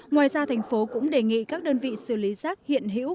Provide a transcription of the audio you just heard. ngoài ra thành phố cũng đề nghị các đơn vị xử lý rác hiện hữu